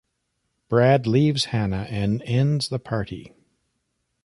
Brad leaves Hannah and ends the party.